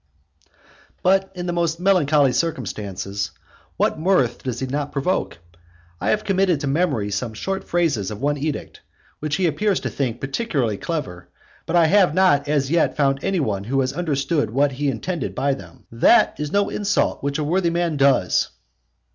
IX. But in the most melancholy circumstances what mirth does he not provoke? I have committed to memory some short phrases of one edict, which he appears to think particularly clever, but I have not as yet found any one who has understood what he intended by them. "That is no insult which a worthy man does."